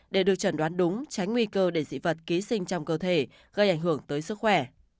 để được chẩn đoán đúng tránh nguy cơ để dị vật ký sinh trong cơ thể gây ảnh hưởng tới sức khỏe